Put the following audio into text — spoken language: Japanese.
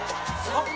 あっ！